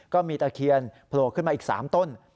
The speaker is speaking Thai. ตะเคียนโผล่ขึ้นมาอีก๓ต้น